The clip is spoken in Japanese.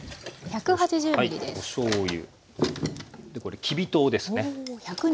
おしょうゆこれきび糖ですね。